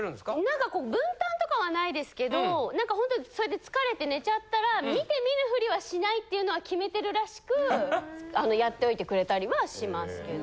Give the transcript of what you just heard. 何かこう分担とかはないですけど何かほんと疲れて寝ちゃったら見て見ぬフリはしないっていうのは決めてるらしくやっておいてくれたりはしますけど。